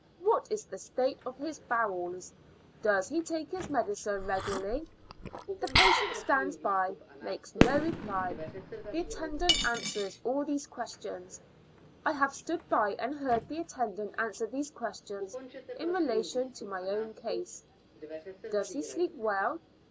" What is the state of his bowels?" "Does he take his medicine regularly?" The patient stands by, makes no reply; the at tendant answers all these questions. I have stood by and heard the attendant answer these questions in relation to my own case. "Does he sleep well?"